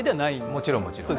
もちろん、もちろん。